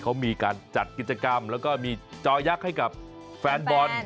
เขามีการจัดกิจกรรมแล้วก็มีจอยักษ์ให้กับแฟนบอล